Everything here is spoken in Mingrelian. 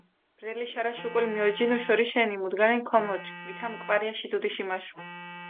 ბრელი შარაშ უკული მიოჯინუ შორიშენი, მუდგარენი ქომოჩქ, ვითამ კვარიაში დუდიში მაშხვა.